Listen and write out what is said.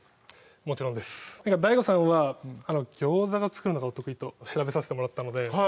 もちろんですＤＡＩＧＯさんは餃子が作るのがお得意と調べさせてもらったのでは